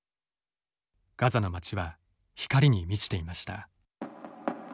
ガザの町は光に満ちていました。